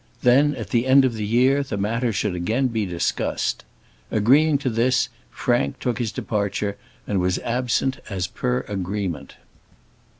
Then, at the end of the year, the matter should again be discussed. Agreeing to this, Frank took his departure, and was absent as per agreement.